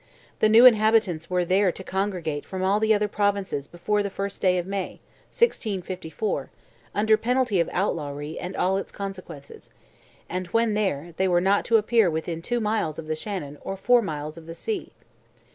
The new inhabitants were there to congregate from all the other provinces before the 1st day of May, 1654, under penalty of outlawry and all its consequences; and when there, they were not to appear within two miles of the Shannon or four miles of the sea.